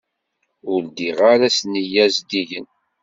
Ur ddiɣ ara s nneyya zeddigen.